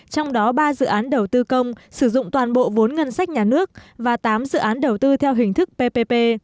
trong đó ba dự án đầu tư công sử dụng toàn bộ vốn ngân sách nhà nước và tám dự án đầu tư theo hình thức ppp